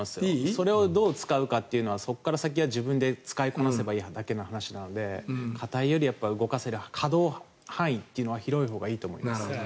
それをどう使うかというのはそこから先は自分で使いこなせばいいという話なので硬いよりは動かせる可動範囲というのは広いほうがいいと思います。